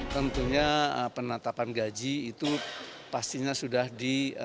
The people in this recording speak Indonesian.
tentunya penetapan gaji itu pastinya sudah di